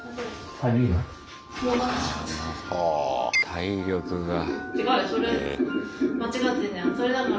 体力が。